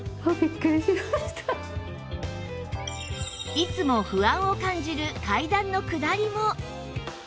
いつも不安を感じる階段の下りも